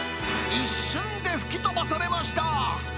一瞬で吹き飛ばされました。